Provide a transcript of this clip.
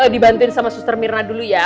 dibantuin sama suster mirna dulu ya